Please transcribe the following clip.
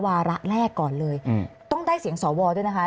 วาระแรกก่อนเลยต้องได้เสียงสวด้วยนะคะ